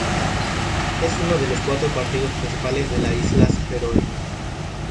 Es uno de los cuatro partidos principales de las Islas Feroe.